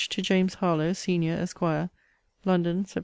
TO JAMES HARLOWE, SENIOR, ESQ. LONDON, SEPT.